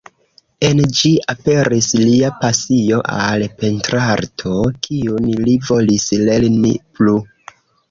En ĝi aperis lia pasio al pentrarto, kiun li volis lerni plu.